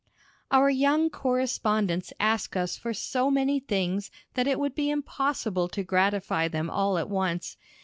] Our young correspondents ask us for so many things that it would be impossible to gratify them all at once.